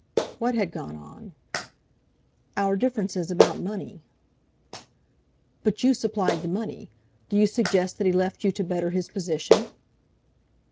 "What had gone on?" "Our differences about money." "But you supplied the money. Do you suggest that he left you to better his position?"